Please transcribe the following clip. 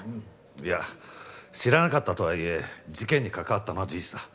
いや知らなかったとはいえ事件に関わったのは事実だ。